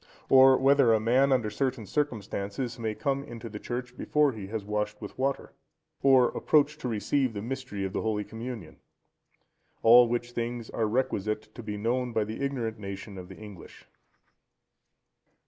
Or whether a man, under certain circumstances, may come into the church before he has washed with water? Or approach to receive the Mystery of the Holy Communion? All which things are requisite to be known by the ignorant nation of the English.